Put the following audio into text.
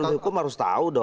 ini hukum harus tahu dong